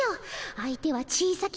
相手は小さき